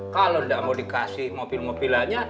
kalo gak mau dikasih mobil mobilannya